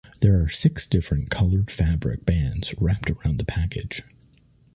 There are six different colored fabric bands wrapped around the package.